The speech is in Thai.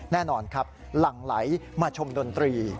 แน่นอนครับหลั่งไหลมาชมดนตรี